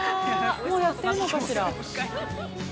もうやってるのかしら。